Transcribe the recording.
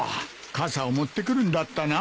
傘を持ってくるんだったな。